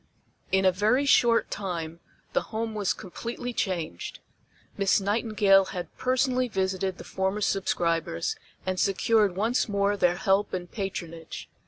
In a very short time the Home was completely changed. Miss Nightingale had personally visited the former subscribers, and secured once more their help and patronage.